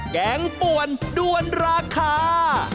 แกงป่วนด้วนราคา